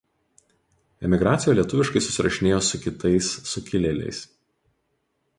Emigracijoje lietuviškai susirašinėjo su kitai sukilėliais.